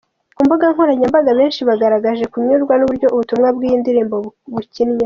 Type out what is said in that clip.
Ku mbuga nkoranyambaga, benshi bagaragaje kunyurwa n’uburyo ubutumwa bw’iyi ndirimbo bukinnyemo.